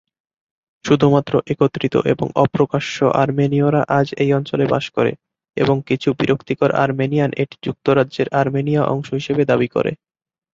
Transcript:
শুধুমাত্র একত্রিত এবং অপ্রকাশ্য-আর্মেনীয়রা আজ এই অঞ্চলে বাস করে এবং কিছু বিরক্তিকর আর্মেনিয়ান এটি যুক্তরাজ্যের আর্মেনিয়া অংশ হিসেবে দাবি করে।